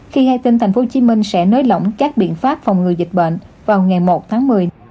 khi gai tin thành phố hồ chí minh sẽ nới lỏng các biện pháp phòng ngừa dịch bệnh vào ngày một tháng một mươi